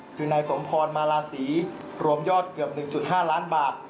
คือนายสมพรมาลาศรีรวมยอดเกือบ๑๕ล้านบาท